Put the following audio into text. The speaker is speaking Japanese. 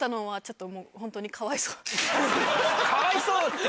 かわいそうって。